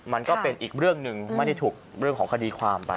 มันก็เป็นอีกเรื่องหนึ่งไม่ได้ถูกเรื่องของคดีความไป